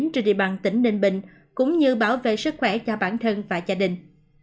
trên địa bàn tỉnh ninh bình cũng như bảo vệ sức khỏe cho bản thân và gia đình